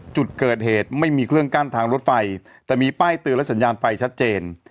จุดเกิดเหตุไม่มีเครื่องกั้นทางรถไฟแต่มีป้ายเตือนและสัญญาณไฟชัดเจน